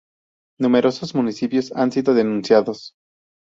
Numerosos municipios han sido denunciados